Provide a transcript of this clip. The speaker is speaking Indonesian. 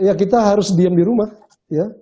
ya kita harus diam di rumah ya